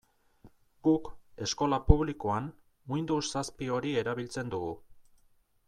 Guk, eskola publikoan, Windows zazpi hori erabiltzen dugu.